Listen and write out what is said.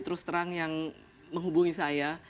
terus terang yang menghubungi saya